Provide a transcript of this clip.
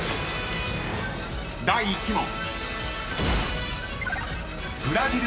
［第１問］